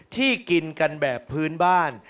ที่กินกันแบบพื้นบ้าน